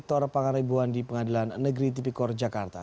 apakah ribuan di pengadilan negeri tindak perdana korupsi jakarta